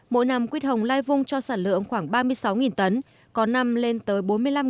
mỗi năm quyết hồng lai vung cho sản lượng khoảng ba mươi sáu tấn có năm lên tới bốn mươi năm tấn